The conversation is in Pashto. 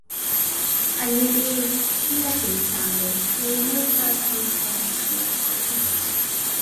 علي ډېر..... انسان دی. یوې مور ته سمه خواړه نشي ورکولی.